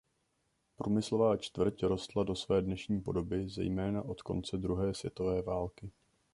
Průmyslová čtvrť rostla do své dnešní podoby zejména od konce druhé světové války.